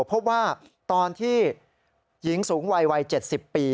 พบว่าตอนที่หญิงสูงวัยวัย๗๐ปี